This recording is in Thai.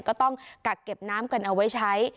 ก็ต้องกัดเก็บน้ำกันเอาไว้ใช้